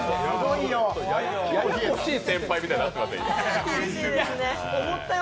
ややこしい先輩みたいになってますよ。